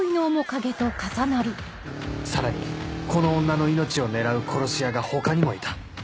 さらにこの女の命を狙う殺し屋が他にもいた